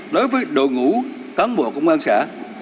đối với đội ngũ cán bộ công an xã